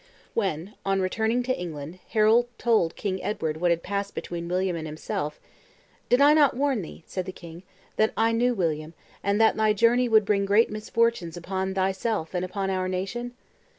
When, on returning to England, Harold told King Edward what had passed between William and himself, "Did I not warn thee," said the king, "that I knew William, and that thy journey would bring great misfortunes upon thyself and upon our nation?